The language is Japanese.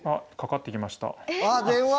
あっ電話！